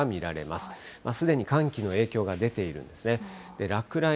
すでに寒気の影響が出ているんですね。